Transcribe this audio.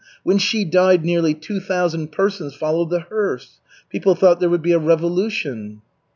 When she died, nearly two thousand persons followed the hearse. People thought there would be a revolution."